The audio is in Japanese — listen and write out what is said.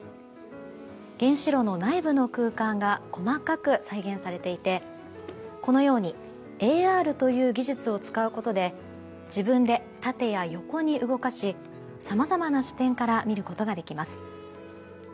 原子炉の内部の空間が細かく再現されていてこのようにＡＲという技術を使うことで自分で縦や横に動かしさまざまな視点から見ることができます。